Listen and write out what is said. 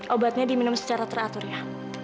obatnya diminum secara teratur ya